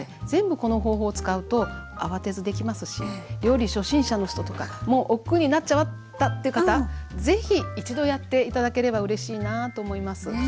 全部この方法を使うとあわてずできますし料理初心者の人とかもうおっくうになっちゃったっていう方是非一度やって頂ければうれしいなと思います。